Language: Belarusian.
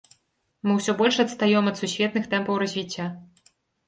Мы ўсё больш адстаём ад сусветных тэмпаў развіцця.